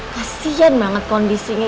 kasian banget kondisinya